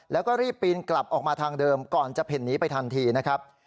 แล้วก็รีบปีนกลับออกมาทางเดิมก่อนจะเพ่นหนีไปทันทีนะครับ